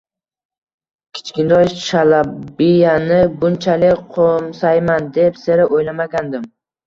Kichkintoy Shalabiyani bunchalik qo`msayman deb sira o`ylamagandim